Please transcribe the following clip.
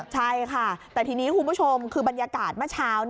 ใช่ค่ะแต่ทีนี้คุณผู้ชมคือบรรยากาศเมื่อเช้า